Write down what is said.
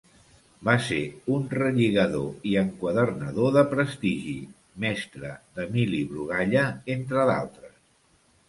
Va ser un relligador i enquadernador de prestigi, mestre d'Emili Brugalla, entre d'altres.